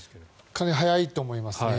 かなり早いと思います。